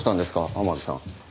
天樹さん。